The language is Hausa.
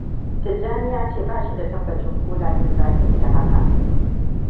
Tijjani ya ce ba shi da tabbacin ko Lami za ta iya haka.